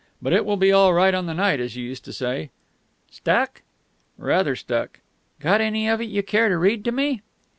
But it will be all right on the night, as you used to say." "Stuck?" "Rather stuck." "Got any of it you care to read to me?..."